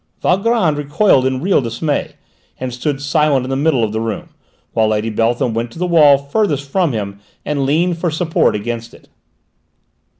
Valgrand recoiled in real dismay, and stood silent in the middle of the room, while Lady Beltham went to the wall farthest from him and leaned for support against it.